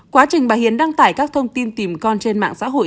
quá trình bà hiến đăng tải các thông tin tìm con trên mạng xã hội